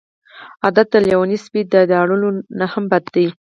عادت د لیوني سپي د داړلو نه هم بد دی.